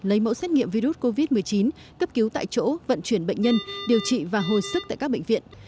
lấy mẫu xét nghiệm virus covid một mươi chín cấp cứu tại chỗ vận chuyển bệnh nhân điều trị và hồi sức tại các bệnh viện